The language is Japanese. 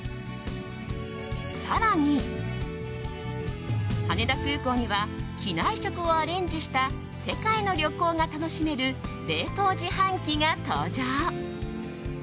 更に、羽田空港には機内食をアレンジした世界の旅行が楽しめる冷凍自販機が登場。